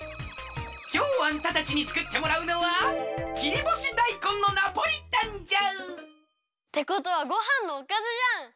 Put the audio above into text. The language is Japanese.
きょうあんたたちにつくってもらうのは切りぼしだいこんのナポリタンじゃ！ってことはごはんのおかずじゃん！